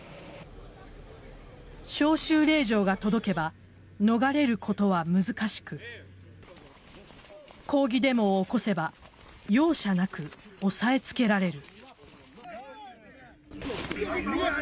招集令状が届けば逃れることは難しく抗議デモを起こせば容赦なく抑え付けられる。